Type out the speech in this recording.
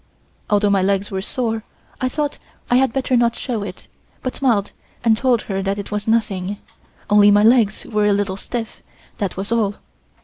Although my legs were sore I thought I had better not show it, but smiled and told her that it was nothing, only my legs were a little stiff, that was all.